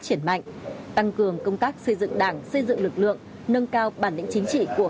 triển mạnh tăng cường công tác xây dựng đảng xây dựng lực lượng nâng cao bản lĩnh chính trị của